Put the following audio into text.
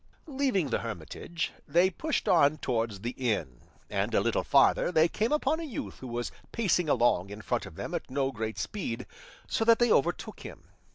Leaving the hermitage, they pushed on towards the inn, and a little farther they came upon a youth who was pacing along in front of them at no great speed, so that they overtook him.